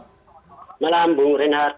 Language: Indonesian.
selamat malam bu renhar